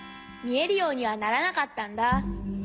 みえるようにはならなかったんだ。